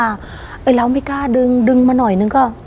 เราไม่กล้าดึงดึงมาหน่อยนึงก็